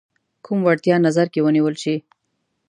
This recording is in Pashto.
کوم وړتیا نظر کې ونیول شي.